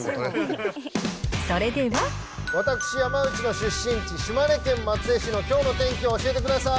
私、山内の出身地、島根県松江市のきょうの天気を教えてください。